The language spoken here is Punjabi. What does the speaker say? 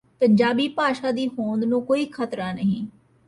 ਪੰਜਾਬੀ ਭਾਸ਼ਾ ਦੀ ਹੋਂਦ ਨੂੰ ਕੋਈ ਖ਼ਤਰਾ ਨਹੀਂ